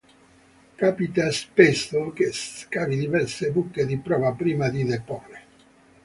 Capita spesso che scavi diverse buche di prova prima di deporre.